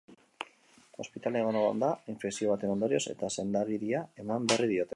Ospitalean egon da, infekzio baten ondorioz, eta senda-agiria eman berri diote.